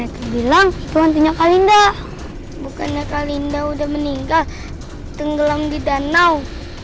itu bilang itu nantinya kalinda bukannya kalinda udah meninggal tenggelam di danau